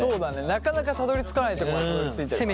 なかなかたどりつかないとこまでたどりついてるからね。